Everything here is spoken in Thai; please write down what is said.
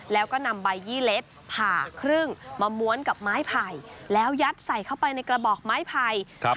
แล้วก็นำใบยี่เล็ดผ่าครึ่งมาม้วนกับไม้ไผ่แล้วยัดใส่เข้าไปในกระบอกไม้ไผ่